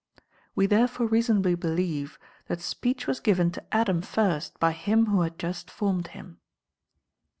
We therefore rcsonably believe that sijecch was given to Adam first by him who had just formed him.